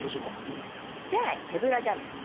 ウソおっしゃい手ぶらじゃないの。